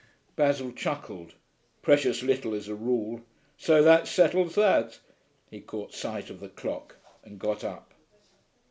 Basil chuckled. 'Precious little, as a rule.... So that settles that.' He caught sight of the clock and got up.